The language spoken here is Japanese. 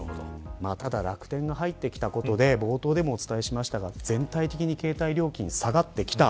ただ、楽天が入ってきたことで冒頭でもお伝えしましたが全体的に携帯料金が下がってきた。